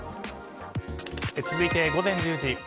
続いて午前１０時。